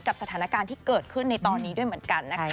สถานการณ์ที่เกิดขึ้นในตอนนี้ด้วยเหมือนกันนะคะ